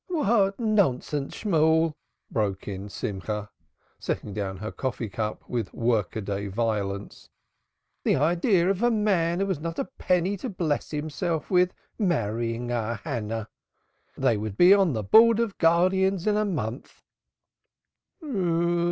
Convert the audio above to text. "What nonsense, Shemuel!" broke in Simcha, setting down her coffee cup with work a day violence. "The idea of a man who has not a penny to bless himself with marrying our Hannah! They would be on the Board of Guardians in a month."